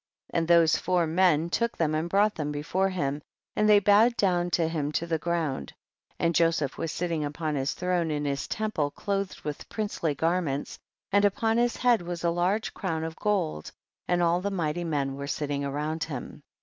1 8. And those four men took them and brought them before him, and they bowed down to him to the ground, and Joseph was sitting upon his throne in his temple, clothed with THE BOOK OF JASHER. 161 princely garments, and upon his head was a large crown of gold, and all the mighty men were sitting around him.